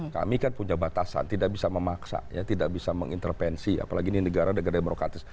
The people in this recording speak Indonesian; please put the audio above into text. kami kan punya batasan tidak bisa memaksa tidak bisa mengintervensi apalagi ini negara negara demokratis